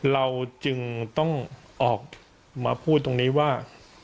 เราจึงต้องออกมาพูดตรงนี้ว่า